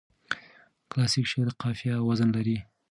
کلاسیک شعر قافیه او وزن لري.